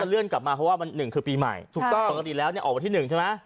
เพราะว่าวันหนึ่งคือปีใหม่ถูกต้องปกติแล้วเนี่ยออกที่หนึ่งใช่ไหม